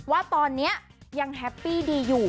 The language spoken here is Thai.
ว่าตอนนี้ยังแฮปปี้ดีอยู่